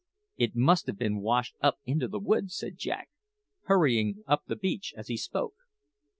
"It may have been washed up into the woods," said Jack, hurrying up the beach as he spoke.